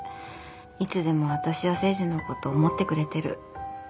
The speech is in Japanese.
いつでもわたしや誠治のこと思ってくれてる。